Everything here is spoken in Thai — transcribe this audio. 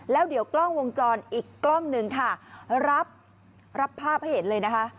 แล้วเดี๋ยวกล้องวงจรอีกกล้องหนึ่งค่ะรับภาพให้เห็นเลยนะคะ